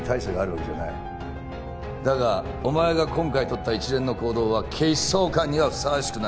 だがお前が今回とった一連の行動は警視総監にはふさわしくない。